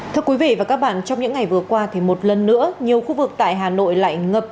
thưa quý vị và các bạn trong những ngày vừa qua thì một lần nữa nhiều khu vực tại hà nội lại ngập